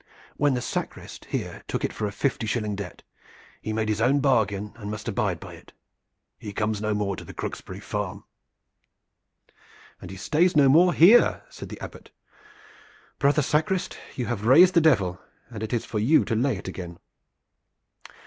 When the sacrist here took it for a fifty shilling debt he made his own bargain and must abide by it. He comes no more to the Crooksbury farm." "And he stays no more here," said the Abbot. "Brother sacrist, you have raised the Devil, and it is for you to lay it again."